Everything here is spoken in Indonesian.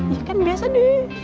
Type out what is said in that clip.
ya kan biasa nih